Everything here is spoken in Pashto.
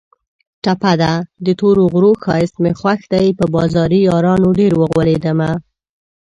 ټپه ده: د تورو غرو ښایست مې خوښ دی په بازاري یارانو ډېر اوغولېدمه